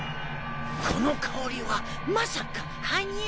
この香りはまさかはにゃ。